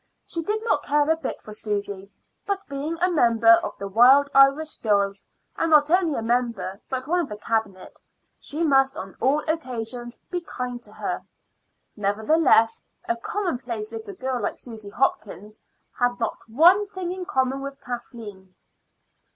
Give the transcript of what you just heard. She did not care a bit for Susy; but being a member of the Wild Irish Girls, and not only a member, but one of the Cabinet, she must on all occasions be kind to her. Nevertheless a commonplace little girl like Susy Hopkins had not one thing in common with Kathleen.